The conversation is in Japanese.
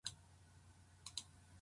公爵侯爵伯爵子爵男爵